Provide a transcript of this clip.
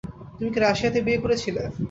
তুমি কি রাশিয়াতে বিয়ে করেছিলে?